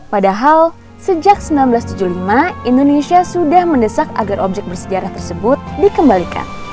padahal sejak seribu sembilan ratus tujuh puluh lima indonesia sudah mendesak agar objek bersejarah tersebut dikembalikan